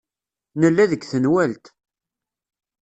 Nella deg tenwalt.